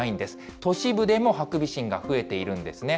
都市部でもハクビシンが増えているんですね。